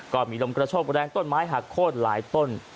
ก็มีลมกระโชกแรงต้นไม้หักโค้นหลายต้น